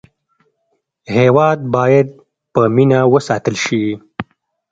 هېواد باید په مینه وساتل شي.